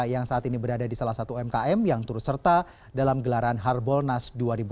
yang saat ini berada di salah satu umkm yang turut serta dalam gelaran harbolnas dua ribu dua puluh